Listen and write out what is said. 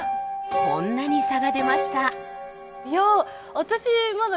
こんなに差が出ました。